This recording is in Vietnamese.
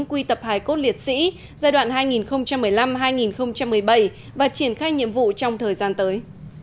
quy tập hải cốt liệt sĩ giai đoạn hai nghìn một mươi năm hai nghìn một mươi bảy và triển khai nhiệm vụ trong thời gian tới